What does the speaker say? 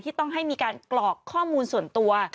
ต้องให้มีการกรอกข้อมูลส่วนตัว